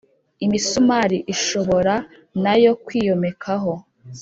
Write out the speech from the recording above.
imisumari ishobora nay kwiyomekaho